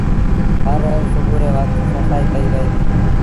هر روز سُوڀو ري وکت سڦآئيٚ ڪئيٚ وئي ديٚ۔